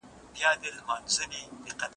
قدرت نیولو لپاره دسیسو ته دوام ورکړ.